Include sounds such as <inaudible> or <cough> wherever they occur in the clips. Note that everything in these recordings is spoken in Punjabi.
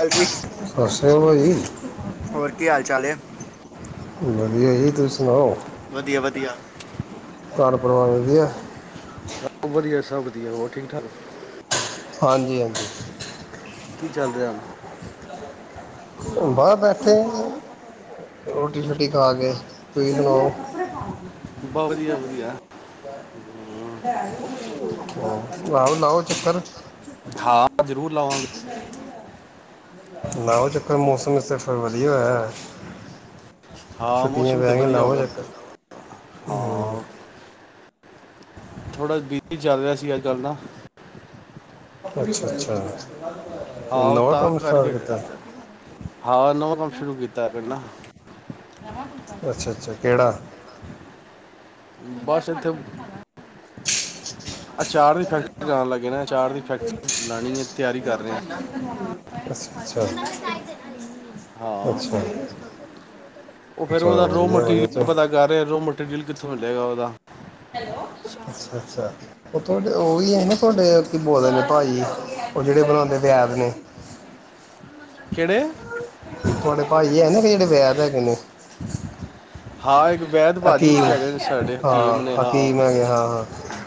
ਹਾਲ ਜੀ ਸੋਸ਼ਲੋਜੀ ਹੋਰ ਕੀ ਹਾਲ ਚਾਲ ਹੈ ਵਧੀਆ ਜੀ ਤੁਸੀ ਵਧੀਆ ਵਧੀਆ ਵ ਵਧੀਆ ਸਭ ਵਧੀਆ ਸਧੀਆ ਵਠਿੰਗ ਾਰੋ ਹਾਂਜੀ ਹਾਂਜੀ ਕੀ ਚੱਲ ਰਿਹਾ ਹਨੁ ਬਾਹ ਬੈਠੇ ਰੋਟੀ ਸ਼ੋਟੀ ਖਾ ਕੇ ਕੋਈ ਸੁਣਾਓ ਬ ਵਧੀਆ ਵਧੀਆ ਹਮ ਲਓ ਲਓ ਚੱਕਰ ਹਾਂ ਜ਼ਰੂਰ ਲਾਵਾਂਗੇਂ ਲਾਓ ਚੱਕਰ ਮੌਸਮ ਸੇਫ ਵਧੀਆਆ ਹਾਂ ਮੌਸਮ ਤੇ ਵਧੀਆ ਹੋਗਾ ਹਮ, ਹਾਂ ਥੋੜ੍ਹਾ ਬਿੀ ਚੱਲ ਰਿਹਾ ਸੀ ਅੱਜ ਕੱਲ੍ਹ ਨਾ ਅੱਛਾ ਅੱਛਾ ਤੇ ਹਹੋ ਉਹ ਨਵਾਂ ਤਾਂ ਕੰਮ ਸਟਾਰਟ ਕਰਕੇ ਕੀਤਾ ਹਾਂ ਨਵ ਕੰਮ ਸ਼ੁਰੂ ਕੀਤਾ ਕਹ ਨਾ ਅੱਛਾ ਅੱਛਾ ਕਿਹੜਾ ਬੱਸੇਥੋਂ ਅਚਾਰ ਦੀ ਫੈਕਟਰੀ ਲਣ ਲੱਗੇ ਨਾ ਅਚਾਰ ਦੀ ਫੈਕਟਰੀ ਲਾਣੀ ਹੈ ਤਿਆਰੀ ਕਰ ਰਿਹਾ ਅ ਚਾ ਅੱਛਾ ਉਹ ਫੇਰ ਚਲੋ ਉਹਦਾ ਰੋ ਵਧੀਆ ਵਧੀਆ ਮਟੀਰੀਅਲ ਚਲੋ ਪਤਾ ਕਰ ਰਿਹਾ ਰੋ ਮਟੀਰੀਅਲ ਕਿੱਥੋਂ ਜਗਾ ਉਹਦਾ ਸ ਸੁ ਹਉਹਹੀ ਹੈ ਨਾ ਤੁਹਾਡੇ ਬੋਲਦੇ ਨੇ ਭ ਜੀ ਉਹ ਜਿੜੇ ਬਣਾਉਂਦੇ ਵਿਆਦ ਨੇ ਕਿਹੜੇ ਤੁਹਾਡੇ ਭਾਾਈ ਹੈ ਨਾ ਜਿਹੜੇ ਵਿਆਹ ਹੈਗੇ ਨੇ ਹਾਂ ਇੱ ਹਕੀਮ ਹਾਂ ਹਾਂ ਹਕੀਮ ਹੈਗੇ ਹਾਂ ਹਾਂ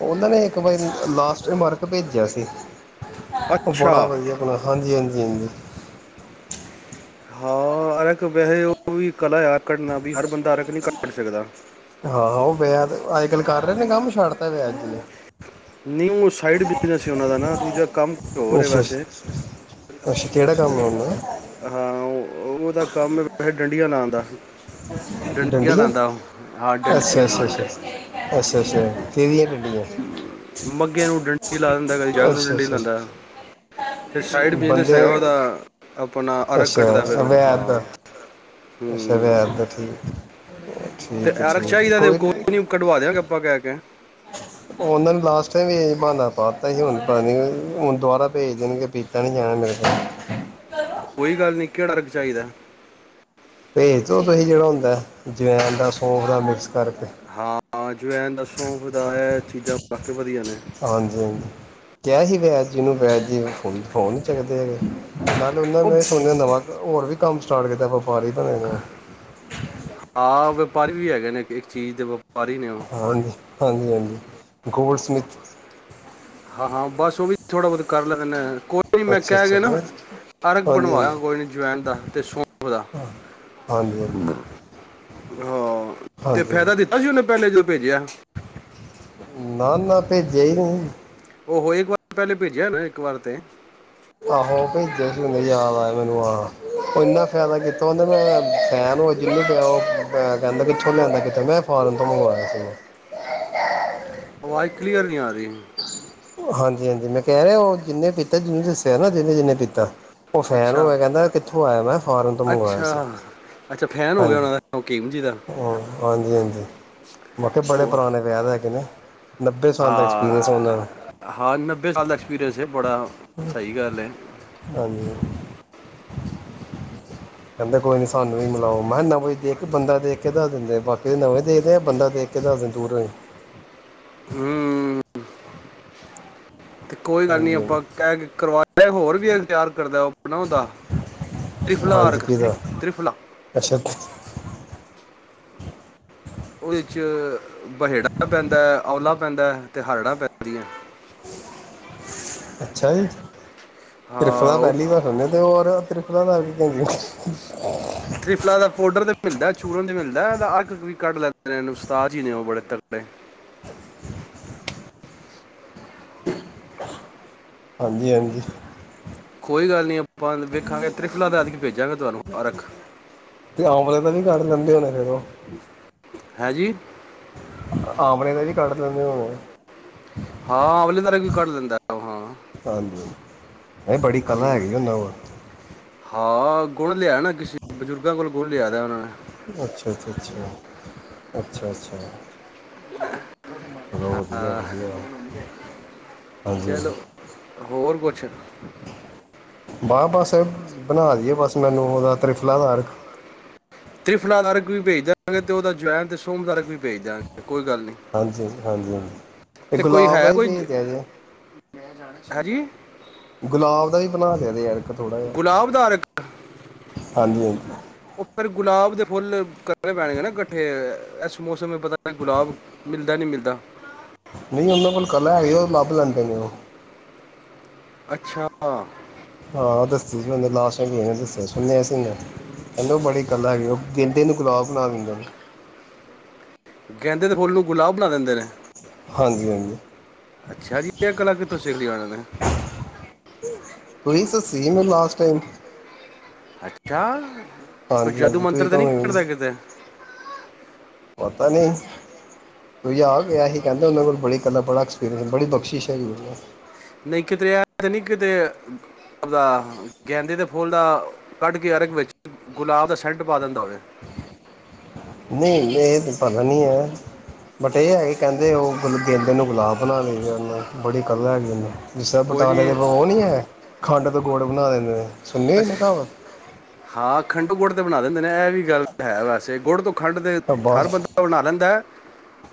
ਉਹਨਾਂ ਨੇ ਇੱਕ ਵਾਰੀ ਲਾਸਟ ਵਰਕ ਭੇਜਿਆ ਸੀ। ਉਹ ਅੱਛਾ ਬੜਾ ਵਧੀਆ ਹਾਂਜੀ ਹਾਂਜੀ ਹਾਂਜੀ ਹਾਂ ਅਰਕ ਵੈਸੇ ਉਹ ਵੀ ਕਲਾ ਆ ਕੱਢਨਾ ਵੀ ਹਰ ਬੰਦਾ ਅਰਕ ਨਹੀਂ ਕੱਢ ਸਕਦਾ ਹਾਂ ਘਰੇ ਆ ਜਓ ਨਹੀਂ ਸਾਈਡ ਬਿਜਨਸ ਐ ਉਹਨਾਂ ਦਾ ਵੈਸੇ ਤੇ ਅੱਛਾ ਉਹਨਾਂ ਅੱਛਾ ਦੀ ਅੱਛਾ ਕੰਪਨੀ ਕਿਹੜਾ ਕੰਮ ਆਉਂਦਾ ਹੈ। ਉਹਦਾ ਕੰਮ ਵੈ ਡੰਡੀਆਂ ਲਾਦਾ ਡੰਡੀਆਂ ਅੱਛਾ ਡੰਡੀਆਂ ਅੱਛਾ ਅੱਛਾ ਠੀਕ ਹੈ ਮੰਗਿਆ ਨੂੰ ਡੰਡੀ ਲਾ ਦਿੰਦਾ ਕਦੀ ਜੱਗ ਨੂੰ ਡੰਡੀ ਅੱਛਾ ਲਾਉਂਦਾ ਫਿਰ ਸਾਈਡ ਬਿਜਨਸ ਬੰਦੇ ਹੈਗਾ ਉਹਦਾ ਆਪਣਾ ਅਲਗ ਕੱਢਦਾ ਫਿਰ ਅੱਛਾ ਵੈਦ ਦਾ ਹਾਂ ਅੱਛਾ ਹੂੰ ਵੈਦ ਦਾ ਠੀਕ ਤੇ ਠੀਕ ਹੈ ਅਰਕ ਠੀਕ ਹੈ ਚਾਹੀਦਾ ਦਾ ਤੇ ਨਹੀਂ ਕੋਈ ਨੀ ਕਢਵਾ ਦਿਆਂਗੇ ਆਪਾਂ ਕਹਿ ਕੇ। ਉਹਨਾਂ ਨੇ ਲਾਸਟ ਟਾਈਮ ਵੀ ਇਹ ਬਾਨਾ ਪਾ ਦਿੱਤਾ ਸੀ ਹੁਣ ਪਤਾ ਨ ਹੁਣ ਦੁਬਾਰਾ ਭੇਜ ਦੇਣਗੇ ਪੀਤਾ ਨੀ ਜਾਣਾ ਮੇਰ ਕੋਲੋ ਕੋਈ ਗੱਲ ਨਹੀਂ ਕਿਹੜਾ ਅਰਕ ਚਾਹੀਦਾ। ਭੇਜ ਦਿਓ ਤੁਸੀਂ ਜਿਹੜਾ ਹੁੰਦਾ ਜਵੈਨ ਦਾ ਸੌਂਫ ਦਾ ਮਿਕਸ ਕਰਕੇ। ਹਾ-ਹਾ ਜਵੈਨ ਦਾ ਸੌਂਫ ਦਾ ਇਹ ਚੀਜ਼ਾਂ ਵਧੀਆ ਨੇ ਹਾਂਜੀ-ਹਾਂਜੀ ਕਿਹਾ ਸੀ। ਜਿਹਨੂੰ <unintelligible> ਪੈ ਫੋਨ ਨੀ ਚੱਕਦੇ ਹੈਗੇ। ਗੱਲ ਉਹ ਉਹਨਾਂ ਸੁਣਿਆ ਨਵਾਂ ਹੋਰ ਵੀ ਕੰਮ ਸਟਾਰਟ ਕੀਤਾ ਵਪਾਰੀ ਬਣੇ ਨੇ ਆ ਪਰ ਵੀ ਹੈਗੇ ਨੇ ਇੱਕ ਚੀਜ਼ ਦੇ ਵਪਾਰੀ ਨੇ ਉਹ ਹਜ ਹਾਂਜੀ-ਹਾਂਜੀ। ਗੋਲਸਮਿਥ ਹਾਂ ਹਾਂ ਬਸ ਉਹ ਵੀ ਥੋੜੇ ਬਹੁਤੇ ਕਰ ਲੈਂਦੇ ਨੇ। ਕੋਈ ਨੀ ਮੈਂ ਅੱਛਾ ਕਹਿ ਅੱਛਾ ਕੇ ਨਾ ਹਾਂਜੀ ਅਰਕ ਹਾਂਜੀ ਬਣਵਾਇਆ ਕੋਈ ਜਵੈਣ ਦਾ ਸ਼ੋਫ ਦਾ। ਹਾਂਜੀ ਹਾਂਜੀ ਹਾਂ ਤੇ ਫਾਇਦਾ ਦਿੱਤਾ ਸੀ ਉਹਨੇ ਪਹਿਲੇ ਭੇਜਿਆ ਨਾ-ਨਾ। ਭੇਜੇ ਹੀ ਨਹੀਂ। ਉਹ ਹੋ ਇੱਕ ਵਾਰ ਪਹਿਲੇ ਭੇਜਿਆ ਨਾ ਇੱਕ ਵਾਰ ਤੇ ਆਹੋ ਭੇਜਿਆ ਸੀ ਯਾਦ ਆਇਆ ਮੈਨੂੰ ਆਹ ਇਨਾ ਫਾਇਦਾ ਕੀਤਾ ਨਾ ਮੈਂ ਫੈਨ ਹੋ ਚੱਲਿਆ। ਕਹਿੰਦਾ ਕਿਥੋਂ ਲਿਆਂਦਾ ਕਿਥ ਮੈਂ ਫੋਰਨ ਤੋਂ ਮੰਗਵਾਇਆ ਸੀ। ਆਵਾਜ਼ ਕਲੀਅਰ ਨਹੀਂ ਆ ਰਹੀ। <unintelligible> ਹਾਂਜੀ ਹਾਂਜੀ ਮੈਂ ਕਹਿ ਰਿਹਾ ਉਹ ਜਿੰਨੇ ਪੀਤਾ ਜਿਹਨੂੰ ਦੱਸਿਆ ਨਾ ਜਿੰਨੇ ਜਿੰਨੇ ਪੀਤਾ ਉਹ ਫੈਨ ਹੋ ਅੱਛਾ ਗਿਆ ਕਹਿੰਦਾ ਕਿੱਥੋਂ ਆਇਆ ਮੈਂ ਫੋਰਨ ਤੋਂ ਮੰਗਵਾਇਆ ਅੱਛਾ ਸੀ ਅੱਛਾ ਫੈਨ ਹੋ ਗਿਆ ਹਾਂਜੀ ਉਹਨਾਂ ਦਾ ਹਕੀਮ ਜੀ ਦਾ ਹਾਂਜੀ ਹਾਂਜੀ ਮੈ ਕਿਹਾ ਬੜੇ ਕੋ- ਪੁਰਾਣੇ ਵੈਦ ਹੈਗੇ ਨੇ। ਨੱਬੇ ਸਾਲ ਦਾ ਐਕਸਪੀਰੀਐਂਸ ਹਾਂ ਹਾਂ, ਨੱਬੇ ਸਾਲ ਦਾ ਐਕਸਪੀਰੀਅੰਸ ਹੈ ਬੜਾ ਸਹੀ ਗੱਲ ਐ। ਹਾਂਜੀ ਕਹਿੰਦੇ ਕੋਈ ਨੀ ਸਾਨੂੰ ਵੀ ਮਲਾਓ, ਮੈਂ ਕਿਹਾ ਨਵੀਂ ਦੇਖ ਕੇ ਬੰਦਾ ਦੇਖ ਕੇ ਦਸ ਦਿੰਦੇ ਬਾਕੀ ਦੇ ਨਵੇ ਦੇਖਦੇ ਆ ਬੰਦਾ ਦੇਖ ਕੇ ਦਸ ਦਿਨ ਦੂਰ ਰਹੀ। ਹੂੰ ਤੇ ਕੋਈ ਗੱਲ ਨਹੀਂ ਹਾਂਜੀ ਹਾਂਜੀ ਆਪਾਂ ਕਹਿ ਕਰਵਾ ਮੈਂ ਹੋਰ ਵੀ ਐ ਤਿਆਰ ਕਰਦਾ ਉਹ ਬਣਾਦਾ ਤ੍ਰਿਫਲਾ ਹਾਂਜੀ ਅਰਕ ਕਿਹਦਾ ਤ੍ਰਿਫਲਾ ਅੱਛਾ ਉਹਦੇ ਚ ਬਹੇੜਾ ਪੈਂਦਾ ਹੈ, ਔਲਾ ਪੈਂਦਾ ਅਤੇ ਹਰੜਾਂ ਪੈਂਦੀਆਂ। ਅੱਛਾ ਜੀ, ਤ੍ਰਿਫਲਾ ਹਾਂ ਦਾ ਉਹ ਪਹਿਲੀ ਵਾਰ ਸੁਣਿਆ ਤੇ ਹੋਰ ਤ੍ਰਿ ਉਹਨਾ ਦਾ ਕੀ <unintelligible> ਤ੍ਰਿਫਲ ਦਾ ਪਓਡਰ ਦੇ ਮਿਲਦਾ ਚੂਰਨ ਚ ਮਿਲਦਾ ਅੱਡ ਵੀ ਕੱਢ ਲੈਂਦੇ ਨੇ ਉਸਤਾਦ ਜੀ ਨੇ ਉਹ ਬੜੇ ਤਕੜੇ ਹਾਂਜੀ-ਹਾਂਜੀ, ਕੋਈ ਗੱਲ ਨੀ, ਆਪਾਂ ਵੇਖਾਂਗੇ ਤ੍ਰਿਫਲਾ ਦਾ ਐਤਕੀ, ਭੇਜਾਂਗੇ ਤੁਹਾਨੂੰ ਰੱਖ ਤੇ ਆਮਲੇ ਦਾ ਵੀ ਕੱਢ ਲੈਂਦੇ ਹੋਣੇ ਫਿਰ ਉਹ ਹੈਂ ਜੀ, ਆਮਲੇ ਦਾ ਜੀ ਕੱਢ ਲੈਂਦੇ ਹੋਣਗੇ। ਹਾਂ ਆਮਲੇ ਵੀ ਕੱਢ ਲੈਂਦਾ ਉਹ ਹਾਂ। ਹਾਂਜੀ, ਇਹ ਬੜੀ ਕਲਾ ਹੂੰ। ਹੈਗੀ ਉਨਾ ਕੋਲ ਹਾਂ ਗੁਣ ਲਿਆ ਨਾ ਕਿਸੇ ਬਜ਼ੁਰਗਾਂ ਕੋਲ ਗੁਣ ਲਿਆ ਦਾ ਉਹਨਾਂ ਨੇ, ਅੱਛਾ-ਅੱਛਾ, ਹਾਂ, ਚਲੋ ਵਧੀਆ-ਵਧੀਆ, ਚਲੋ ਹਾਂਜੀ-ਹਾਂਜੀ ਹੋਰ ਕੁਛ ਬ ਬਸ ਬਣਾ ਦੀ ਹੈ ਬਸ ਮੈਨੂੰ ਤ੍ਰਿਫਲਾ ਦਿ ਅਰਕ, ਤ੍ਰਿਫਲਾ ਦਾ ਅਰਕ ਵੀ ਭੇਜ ਦਿਆਂਗੇ ਤੇ ਉਹਦਾ ਜੁਆਇਨ ਤੇ ਸੋਫ ਦਾ ਅਰਕ ਵੀ ਭੇਜ ਦਾਗੇ। ਹਾਂਜੀ-ਹਾਂਜੀ-ਹਾਂਜੀ, ਤੇ ਗੁਲਾਬ ਦਾ ਹੀ ਭੇਜਦੇ ਆ ਜੇ ਹਾਂਜੀ, ਗੁਲਾਬ ਦਾ ਵੀ ਬਣਾ ਲਿਆ ਇਕ ਥੋੜ੍ਹਾ ਜਿਹਾ। ਗੁਲਾਬ ਦਾ ਹਾਂਜੀ-ਹਾਂਜੀ, ਪੁੱਤਰ ਫਿਰ ਗੁਲਾਬ ਦੇ ਫੁੱਲ ਕਰਨੇ ਪੈਣਗੇ ਨਾ ਇਕੱਠੇ ਇਸ ਮੌਸਮ ਚ ਪਤਾ ਨੀ ਗੁਲਾਬ ਮਿਲਦਾ ਨੀ ਮਿਲਦਾ। ਨਹੀਂ ਉਹਨਾਂ ਕੋਲ ਕਲਾ ਹੈਗੇ ਉਹ ਲੱਭ ਲੈਂਦੇ ਨੇ ਉਹ ਅੱਛਾ, ਹਾਂ ਦੱਸੀ ਸੀ, ਉਹਦੇ ਲਾਸਟ ਟਾਈਮ ਚ ਕੀ ਨੇ ਦੱਸਿਆ ਸੁਣਿਆ ਅਸੀਂ ਕਹਿੰਦੇ ਬੜੀ ਕਲਾ ਹੈਗੀ ਐ ਉਹ ਗੇਦੇੇ ਨੂੰ ਗੁਲਾਬ ਬਣਾ ਦਿੰਦੇ ਨੇ। ਗੈਦੇ ਦੇ ਫੁੱਲ ਗੁਲਾਬ ਬਣਾ ਦਿੰਦੇ ਨੇ। ਹਾਂਜੀ-ਹਾਂਜੀ, ਅੱਛਾ ਜੀ, ਇਹ ਕਲਾ ਕਿੱਥੋਂ ਸਿੱਖਲੀ ਉਹਨਾਂ ਨੇ। ਕੋਈ ਸੀ <unintelligible> ਚਾਹ ਕੋਈ ਹਾਂਜੀ ਜਾਦੂ ਹਾਂਜੀ ਮੰਤਰ ਤੁਸੀਂ ਤੇ ਤਾਂ ਨਹੀਂੀ ਹੁਣ ਕਰਦਾ ਕਿਤੇ ਪਤਾ ਨਹੀਂ ਤੂੰਂ ਆ ਗਸੀ ਕਹਿੰਦੇ ਉਹਦੇ ਕੋਲ ਬੜੀਲਾ ਬੜਾ ਐਕਸਪੀਰੀਅਸ ਬੜੀ ਬਖਸ਼ਿਸ਼ ਹੈ ਜਨੂੰ ਨਹੀਂ ਕਿਤਰੇਿਆ ਤੇ ਨਹੀਂ ਕਿਤੇ ਉਹਦਾ ਗੈਂਦੇ ਦੇ ਫੁੱਲ ਦਾ ਕੱਢ ਕੇ ਅਰਗ ਵਿੱਚ ਗੁਲਾਬ ਦਾ ਸੈਂਟ ਪਾ ਦਿੰਦਾ ਹੋਵੇ ਨਹੀਂ ਇਹ ਤਾਂ ਪਤਾ ਨਹੀਂ ਹੈ ਬਟ ਇਹ ਹੈ ਕਿ ਕਹਿੰਦੇ ਉਹ ਗਦ ਨੂੰ ਗੁਲਾਬ ਬਣਾ ਲਈ ਬੜੀ ਕਦਰ ਹੈ ਗ ਜਿਸਰ ਕੋਈ ਬਟਾਲੇ ਦੇ ਨਹੀਂ ਭਗ ਉਹ ਨਹੀਂ ਹੈ ਖੰਡ ਦੇ ਗੁੜ ਬਣਾ ਦਿੰਦੇ ਨੇ ਸੁਣੀ ਹੋਈ ਨਾ ਕਹਾਵਤ ਹਾਂ ਖੰਡੂ ਗੁੜ ਤੇ ਬਣਾ ਦਿੰਦੇ ਨੇ ਇਹ ਵੀ ਗੱਲ ਹੈ ਵੈਸੇ ਕੋਰ੍ਹ ਤੋਂ ਖੰਡ ਤੇ ਹਰ ਬਸ ਬੰਦਾ ਬਣਾ ਲੈਂਦਾ ਹੈ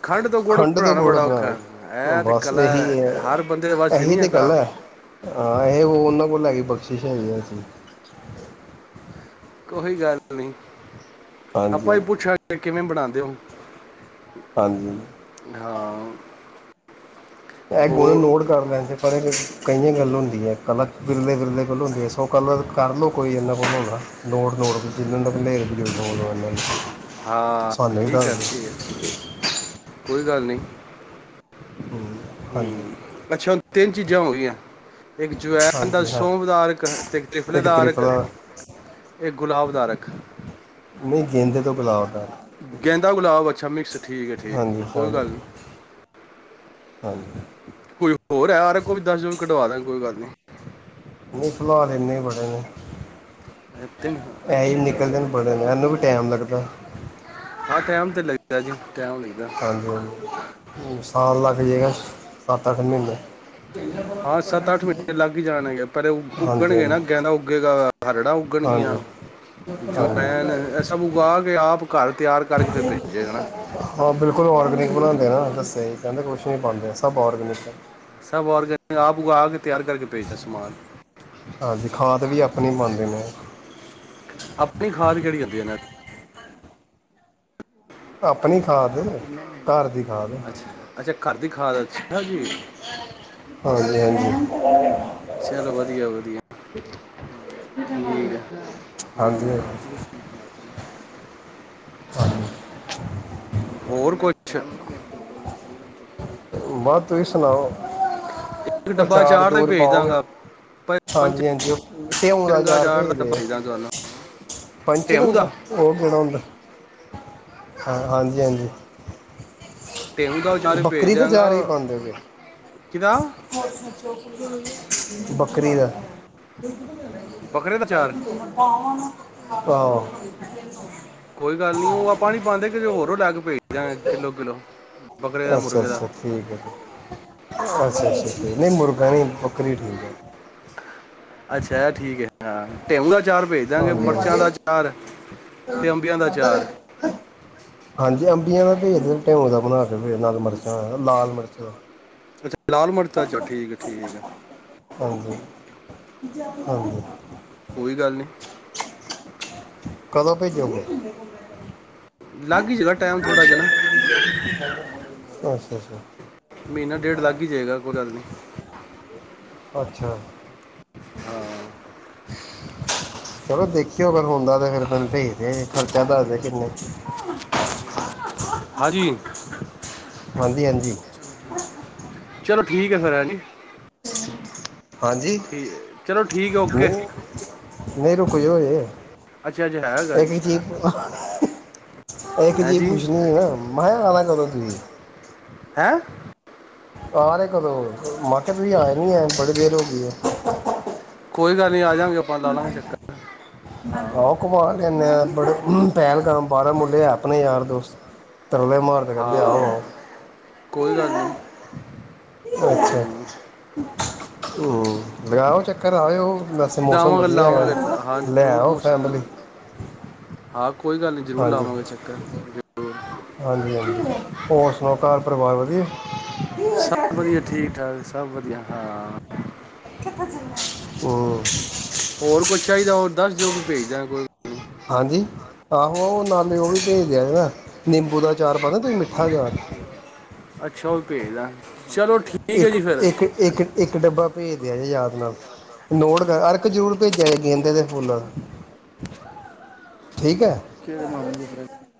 ਖੰਡ ਤੋਂ ਗੁੜ ਤੋਂ ਬਣਾਉਣਾ ਗੁੜ ਬੜਾ ਔਖਾ ਬਣਾ ਇਹ ਤੇ ਬਸ ਕਲਾ ਇਹੀ ਹੈ ਹਰ ਬੰਦੇ ਦੇ ਵਸਦੀ ਇਹੀ ਨੀ ਹੈ ਤਾਂ ਗੱਲ ਕਰਲਾ ਕੋਸ਼ਿਸ਼ ਹੈਗੀਸੀ ਕੋਈ ਗੱਲ ਨੀ ਹਾਂਜੀ ਆਪਾਂ ਹੀ ਹਾਂਜੀ ਪੁੱਛਾਂਗੇ ਕਿਵੇਂ ਬਣਾਉਂਦੇ ਦਿਮ ਹਾਂਜੀ ਹਾਂ ਗੋਨ ਹੋ ਨੋਟ ਕਰ ਲੈਣ ਸੀ ਪਰ ਕਈਆਂ ਗੱਲ ਹੁੰ ਹੈ ਕਲਾ ਬਿਰਦੇ ਵਿਿਰਦੇ ਗੱਲ ਹੁੰ ਇਸ ਸ ਕੱਲ ਕਰ ਲਓ ਕੋਈ ਇਨਾ ੋ ਚੇ ਹਾਂ ਠੀਕ ਆ ਠੀਕ ਹੈ ਕੋਈ ਕੋ ਗੱਲ ਨਹੀਂ ਹਾਂਜੀ ਹਮ ਅੱਛਾ ਤਿੰਨ ਚੀਜ਼ਾਂ ਹੋ ਗਈਆਂ ਇੱਕ ਜਵੈਨ ਦਾ ਹਾਂਜੀ ਹਾਂ ਸੌਭ ਦਾਾਰਕ ਤੇ ਇੱਕ ਤਿਫਲੇਦਾਰਕ ਤ੍ਰਿਪਲਾ ਇੱਕ ਗੁਲਾਬ ਤਾਰਕ ਨਹੀਂ ਗੇਦੇ ਤੋਂ ਗਿਲਾਵਟ ਆ ਗੇਦਾ ਗੁਲਾਬ ਛ ਮਿਕਸ ਠੀਕ ਹੈ ਠੀਕ ਹਾਂਜੀ ਹੈ ਕੋਈ ਹਾਂਜੀ ਗੱਲ ਨਹੀਂੀ ਹਾਂਜੀ ਕੋਈ ਹੋਰ ਹੈ ਯਾਰ ਕੋ ਵੀ ਦੱਸ ਜੋ ਵੀ ਕਢਵਾ ਦ ਕੋਈ ਗੱਲ ਨੀ ਨਹੀਂ ਫਿਲਹਾਲ ਇੰਨੇ ਬੜੇ ਨੇ ਇ ਤਨ ਐ ਹੀ ਅੱਛਾ ਨਿਕਲਦੇ ਨੇ ਬੜੇ ਇਹਨੂੰ ਵੀ ਟਾਈਮ ਲੱਗਦਾ ਹਾਂ ਟੈਮ ਤੇ ਲੱਗਦਾ ਜੀ ਟਾਈਮ ਲੱਗਦਾ ਹਾਂਜੀ ਹਾਂਜੀ। ਆਣ ਲੱਗ ਜੇਗਾ ਸੱਤ ਅੱਠ ਮਹੀਨੇ ਵਿੱਚ ਹਾਂ। ਸੱਤ -ਅੱਠ ਮਹੀਨੇ ਲੱਗ ਜਾਣਗੇ, ਪਰ ਹਾਂਜੀ ਉੱਗਣਗੇ ਹਾਂਜੀ ਨਾ ਅੱਗਹਦਾ ਉੱਗੇਗਾ ਹਰੜਾਂ ਉੱਗਣਗੀਆਂ ਹਾਂਜੀ ਹਾਂਜੀ ਜਵੈਨ ਇਹ ਸ ਉਗਾ ਕੇ ਆਪ ਘਰ ਤਿਆਰ ਕਰਕੇ ਫਿਰ ਭੇਜੇਗਾ ਨਾ ਹਾਂ ਬਿਲਕੁਲ ਔਰਗਨੀ ਬਣਉਦੇ ਨਾ ਦੇ ਕਹਿੰਦੇ ਕੁਛ ਨਹੀਂ ਪਉਂਦੇ ਸਭ ੳਰਗਨਿਕ ਹੈ। ਸਭ ਔਰਗਨ ਆਪ ਆ ਕੇ ਤਿਆਰ ਕਰਕੇ ਭੇਜਦਾ ਸਮਾਨ ਹਾਂਜੀ ਖਾਦ ਵੀ ਆਪ ਆਪਨੀ ਪਉਦੇ ਨੇ ਆਪਣੀ ਖਾਦ ਕਿਹੜੀ ਉਂਦੀ ਇਹਨਾਂ ਦੀ ਆਪਣੀ ਖਾਦ ਘਰ ਦੀ ਖਾਦ ਅੱਛਾ ਅੱਛਾ ਘਰ ਦੀ ਖਾਦ ਅ ਜੀ ਹਾਂਜੀ ਹਾਂਜੀ ਚਲੋ ਵਧੀਆ ਵਧਿਆ ਠੀਕ ਆ ਹੂੰ ਹਾਂਜੀ ਹਾਂਜੀ ਹਾਂ। ਹੋਰ ਕੁਛ ਬਸ ਤੁਸੀਂ ਸੁਣਾਓ। ਡੱਬਾ ਅਚਾਰ ਚਾਰ ਦਾ ਹੀ ਚੂਰ ਭੇਜ ਪਾਓਗੇ, ਦਾਂਗਾ ਪ- ਪੰਜ ਹਾਂਜੀ ਹਾਂਜੀ ਉਹ ਢਿਂਉ ਦਾ ਰੰਗਾ ਅਚਾਰ ਚਾਰ ਭੇਜ ਦਾ ਡੱਬਾ ਦਿਓ ਦਾਂਗਾ ਤੁਹਾਨੂੰ ਟੇਮੂ ਪੰਚਰੰਗਾ ਦਾ ਉਹ ਕਿੜਾਂ ਹੁੰਦਾ, ਹਾਂ ਹਾਂਜੀ ਹਾਂਜੀ। ਟੇਮੂ ਦਾ ਉਚਾਰ ਭੇਜ ਬੱਕਰੀ ਤਾਂ ਅਚਾਰ ਵੀ ਦਿਆਂਗਾ ਪਾਉਦੇਂ ੳ ਕਿਦਾ ਕੇ ਬੱਕਰੀ ਦਾ ਬੱਕਰੇ ਦਾ ਅਚਾਰ ਆਹੋ ਕੋਈ ਗੱਲ ਨੀ, ਉਹ ਆਪਾਂ ਨੀ ਪਾਉਂਦੇ, ਕੀਦਰੋ ਹੋਰ ਤੋਂ ਲੈ ਕੇ ਭੇਜ ਕਿੱਲੋ ਕਿਲੋ ਬੱਕਰੇ ਦਾ ਅੱਛਾ ਮੁਰਗੇ ਦਾ ਅੱਛਾ ਠੀਕ ਹੈ। ਅੱਛਾ ਅੱਛਾ ਨਹੀਂ ਮੁਰਗਾ ਨਹੀਂ ਬੱਕਰੀ ਠੀਕ ਹੈ। ਅੱਛਾ ਠੀਕ ਹੈ। ਹਾਂ ਢਿਉ ਦਾ ਅਚਾਰ ਭੇਜ ਦਾਂਗੇ ਹਾਂਜੀ ਮਿਰਚਾਂ ਹਾਂਜੀ ਦਾ ਅਚਾਰ ਤੇ ਅੰਬੀਆਂ ਦਾ ਅਚਾਰ ਠੀਕ ਏ ਭੇਜ ਦਿੳ ਫਿਰ ਢਿਊ ਦਾ ਬਣਾ ਕਿ ਨਾਲ ਮਿਰਚਾਂਣਾ ਲਾਲ ਮਿਰਚਾਂ ਅੱਛਾ ਲਾਲ ਮਿਰਚਾ ਠੀਕ ਠੀਕ ਏ ਹਾਂਜੀ ਹਾਂਜੀ ਕੋਈ ਗੱਲ ਨੀ ਕਦੋਂ ਭੇਜੋਗੇ? ਲੱਗ ਹੀ ਜਗਾ ਟਾਈਮ ਥੋੜ੍ਹਾ ਜਿਆ ਅੱਛਾ ਅੱਛਾ ਮਹੀਨਾ ਡੇਢ ਲੱਗ ਹੀ ਜਾਏਗਾ ਕੋਈ ਗੱਲ ਨਹੀਂ ਅੱਛਾ ਚਲੋ ਦੇਖਿਓ ਅਗਰ ਹੁੰਦਾ ਤਾਂ ਫਿਰ ਤੈਨੂੰ ਭੇਜ ਦੇ ਖਰਚਾ ਦੱਸਦੇ ਕਿੰਨੇ ਕੁ ਹਾਂਜੀ ਹਾਂਜੀ ਹਾਂਜੀ ਚਲੋ ਠੀਕ ਹੈ। ਫਿਰ ਹੈ ਜੀ ਹਾਂਜੀ, ਠੀਕ ਚਲੋ ਠੀਕ ਹੈ ਓਕੇ ਨਹੀਂ, ਨਹੀਂ ਰੁਕਜੋ ਹਜੇ। ਅੱਛਾ ਅੱਛਾ ਹੈਗਾ ਇੱਕ ਚੀਜ਼ <unintelligible> ਇੱਕ ਹੈ ਚੀਜ਼ ਜੀ ਪੁੱਛਣੀ ਸੀ ਨਾ, ਮੈਂ ਕਿਹਾ ਆਣਾ ਕਦੋਂ ਤੁਸੀਂ? ਹੈਂ? ਆ ਰਹੇ ਕਦੋਂ? ਮਾਕੇਟ ਵੀ ਆਏ ਨੀ ਐ, ਬੜੀ ਦੇਰ ਹੋ ਗਈ ਐ। ਕੋਈ ਗੱਲ ਨੀ ਆਜਾਂਗੇ, ਆਪਾਂ ਲਾ ਲਾਂਗੇ ਚੱਕਰ। ਹਾਂ ਆਹ ਘਮਾ ਲੇਆਨੇ ਆ। ਬੜੇ ਉਮ, ਪਹਿਲਗਾਮ, ਬਾਹਾਰਾਂ ਮੁੱਲੇ ਹੈ ਆਪਣੇ ਯਾਰ ਦੋਸਤ ਤਰਲੇ ਮਾਰਦੇ ਕਹਿੰਦੇ, ਆਓ ਹਾਂ ਆਓ। ਕੋਈ ਗੱਲ ਨਹੀਂ ਅੱਛਾ। ਹਮ, ਹੂੰ, ਲਗਾਓ ਚੱਕਰ ਆਜਾਓ। ਵੈਸੇ ਮੌਸਮ ਲਾਵਾਂਗੇ ਵਧੀਆ ਲਾਵਾਂਗੇ ਹੈਗਾ, ਲਾ- ਹਾਂ ਲੈ ਜ਼ਰੂਰ ਆਓ ਫੈਮਲੀ। ਹਾ। ਕੋਈ ਗੱਲ ਨੀ, ਜ਼ਰੂਰ ਲਾਵਾਂਗੇ ਚੱਕਰ। ਹਾਂਜੀ ਹਾਂਜੀ, ਹੋਰ ਸੁਣਾਓ ਘਰ ਪਰਿਵਾਰ ਵਧੀਆ? ਸਭ ਵਧੀਆ, ਠੀਕ ਠਾਕ, ਸਭ ਵਧੀ ਹੂੰ। ਹੋਰ ਕੁਛ ਚਾਹੀਦਾ, ਹੋਰ ਦੱਸ ਦਿਓ, ਵੀ ਭੇਜਦਾਂਗੇ। ਹਾਂਜੀ? ਆਹੋ ਨਾਲੇ ਉਹ ਵੀ ਭੇਜ ਦਿਆ ਦੇ, ਨਿੰਬੂ ਦਾ ਅਚਾਰ ਪਾਂਦੇ ਤੁਸੀਂ ਮਿੱਠਾ ਹਗਾ। ਅੱਛਾ, ਉਹ ਭੇਜਦਾਂਗੇ। ਇੱਕ ਇੱਕ ਇਕ ਇਕ ਡੱਬਾ ਭੇਜ ਦਿਆ ਜੇ, ਯਾਦ ਨਾਲ। ਨੋਟ ਕਰ, ਅਰਕ ਜ਼ਰੂਰ ਭੇਜਿਆ ਜੇ ਗੇਦੇ ਦੇ ਫੁੱਲਾਂ। ਕਿਹੜੇ ਮਾਮੇ <unintelligible>